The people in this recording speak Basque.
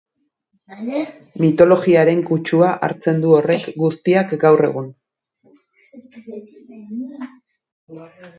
Mitologiaren kutsua hartzen du horrek guztiak gaur egun...